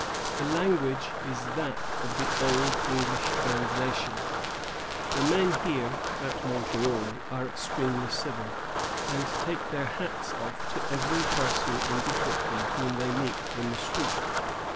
The language is that of the old English translation: "The men here [at Montreal] are extremely civil, and take their hats off to every person indifferently whom they meet in the streets.